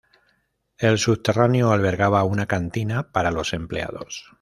El subterráneo albergaba una cantina para los empleados.